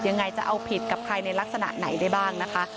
จะเอาผิดกับใครในลักษณะไหนได้บ้างนะคะ